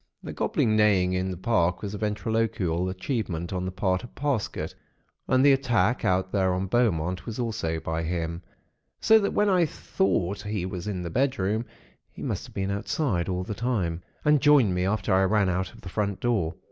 "The gobbling neighing in the park was a ventriloquial achievement on the part of Parsket; and the attack out there on Beaumont was also by him; so that when I thought he was in his bedroom, he must have been outside all the time, and joined me after I ran out of the front door.